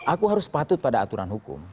aku harus patut pada aturan hukum